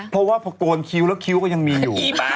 เพราะว่าพอโกนคิ้วแล้วคิ้วก็ยังมีอยู่